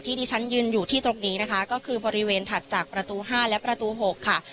ที่ที่ฉันยืนอยู่ที่ตรงนี้นะคะก็คือบริเวณถัดจากประตู๕และประตู๖ค่ะ